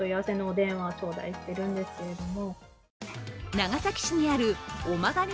長崎市にある尾曲がり